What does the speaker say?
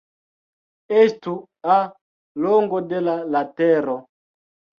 Estu "a" longo de la latero.